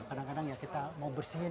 kadang kadang ya kita mau bersihin